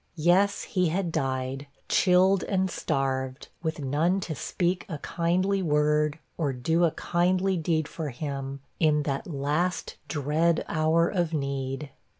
Yes, he had died, chilled and starved, with none to speak a kindly word, or do a kindly deed for him, in that last dread of hour of need!